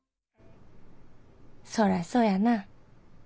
そらそやな。